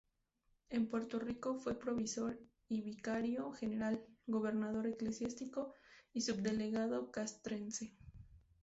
En Puerto Rico fue provisor y vicario general, gobernador eclesiástico y subdelegado castrense.